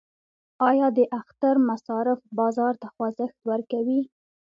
آیا د اختر مصارف بازار ته خوځښت ورکوي؟